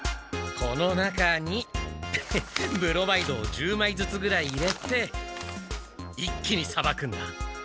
この中にブロマイドを１０枚ずつぐらい入れて一気にさばくんだ。